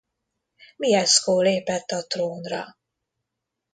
Mieszko lépett a trónra.